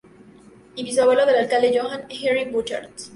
Y bisabuelo del Alcalde Johann Heinrich Burchard.